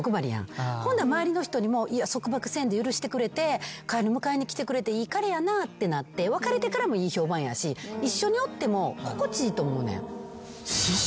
ほんなら周りの人にも束縛せんで許してくれて帰り迎えに来てくれていい彼やなってなって別れてからもいい評判やし一緒におっても心地いいと思うねん。